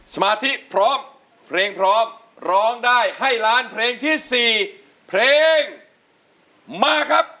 สมาธิพร้อมเพลงพร้อมร้องได้ให้ล้านเพลงที่๔เพลงมาครับ